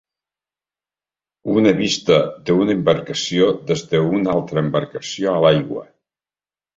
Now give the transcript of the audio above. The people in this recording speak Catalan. Una vista d"una embarcació des d"una altra embarcació a l"aigua.